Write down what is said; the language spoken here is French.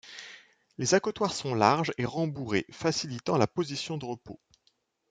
Les accotoirs sont larges et rembourrés, facilitant la position de repos.